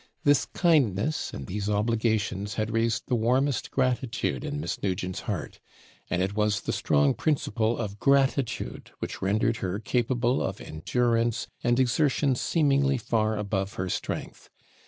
This kindness and these obligations had raised the warmest gratitude in Miss Nugent's heart; and it was the strong principle of gratitude which rendered her capable of endurance and exertions seemingly far above her strength.